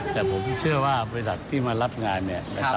แต่ผมเชื่อว่าบริษัทที่มารับงาน